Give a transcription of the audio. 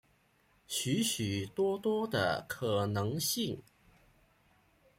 许许多多的可能性